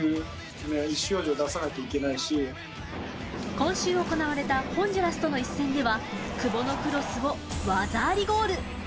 今週行われたホンジュラスとの一戦では、久保のクロスを技ありゴール。